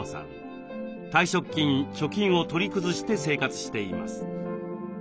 退職金貯金を取り崩して生活しています。